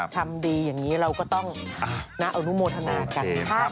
ทำดีอย่างนี้เราก็ต้องอนุโมทนากัน